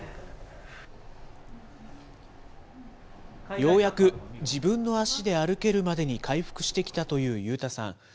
ようやく自分の足で歩けるまでに回復してきたという勇太さん。